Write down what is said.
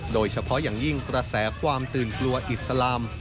โดยเฉพาะอย่างยิ่งกระแสความตื่นกลัวอิสลาม